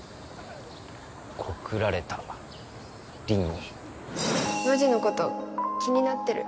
告られた凛にノジのこと気になってる